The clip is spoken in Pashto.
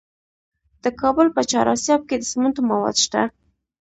د کابل په چهار اسیاب کې د سمنټو مواد شته.